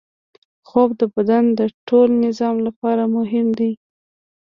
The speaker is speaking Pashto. خوب د بدن د ټول نظام لپاره مهم دی